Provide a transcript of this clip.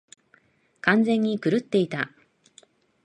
完全に狂っていた。